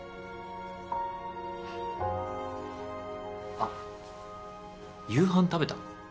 あっ夕飯食べた？